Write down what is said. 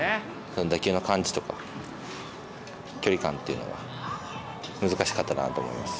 打球の感じとか、距離感っていうのが、難しかったなと思います。